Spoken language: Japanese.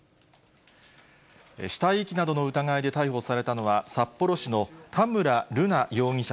死体遺棄などの疑いで逮捕されたのは、札幌市の田村瑠奈容疑者